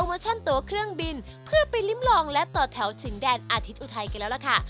เวอร์ชั่นตัวเครื่องบินเพื่อไปลิ้มลองและต่อแถวชิงแดนอาทิตย์อุทัยกันแล้วล่ะค่ะ